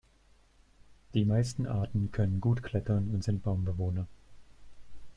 Die meisten Arten können gut klettern und sind Baumbewohner.